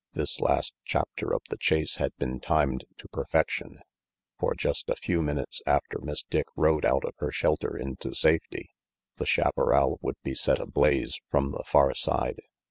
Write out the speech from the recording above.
This last chapter of the chase had been timed to perfec tion; for just a few minutes after Miss Dick rode out of her shelter into safety, the chaparral would be set ablaze from the far side.